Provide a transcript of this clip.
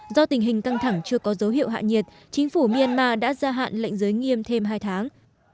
do tình hình căng thẳng chưa có dấu hiệu hạ nhiệt chính phủ myanmar đã gia hạn lệnh giới nghiêm thêm hai tháng